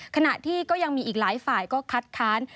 ขณะที่ก็ยังมีอีกหลายฝ่ายก็คัดค้าน